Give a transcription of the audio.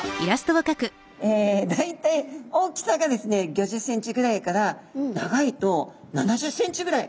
え大体大きさがですね５０ｃｍぐらいから長いと７０ｃｍぐらい。